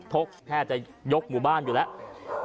กแทบจะยกหมู่บ้านอยู่แล้ว